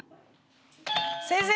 先生！